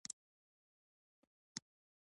د کار په دې ویش کې مالدار قبایل جلا شول.